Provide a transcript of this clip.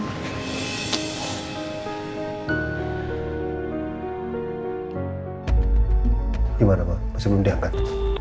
gimana ma masih belum diangkat